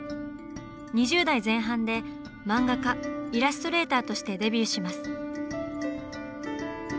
２０代前半で漫画家イラストレーターとしてデビューします。